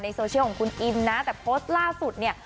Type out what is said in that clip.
โซเชียลของคุณอิมนะแต่โพสต์ล่าสุดเนี่ย